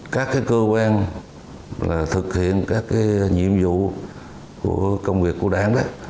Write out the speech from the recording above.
các cơ quan thực hiện các nhiệm vụ của công việc của đảng